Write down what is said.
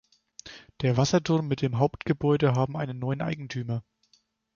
Der Wasserturm mit dem Hauptgebäude haben einen neuen Eigentümer.